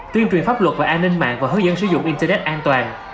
tuyên truyền pháp luật và an ninh mạng và hứa dân sử dụng internet an toàn